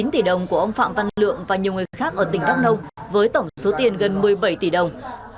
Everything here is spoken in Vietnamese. chín tỷ đồng của ông phạm văn lượng và nhiều người khác ở tỉnh đắk nông với tổng số tiền gần một mươi bảy tỷ đồng